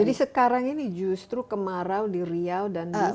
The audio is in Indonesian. jadi sekarang ini justru kemarau di riau dan di sumatera